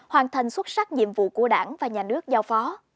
hoàn thành xuất sắc nhiệm vụ của đảng và nhà nước giao phó